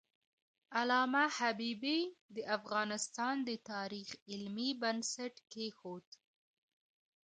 علامه حبیبي د افغانستان د تاریخ علمي بنسټ کېښود.